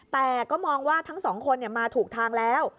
แต่ก็มองว่าทั้งสองคนมาถูกทางแล้ว